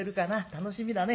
楽しみだね。